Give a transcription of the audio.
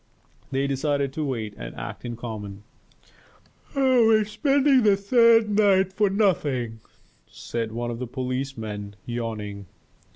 They decided to wait and act in common. "We are spending the third night for nothing," said one of the policemen, yawning.